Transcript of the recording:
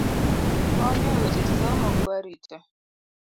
Konyo e weche somo go arita.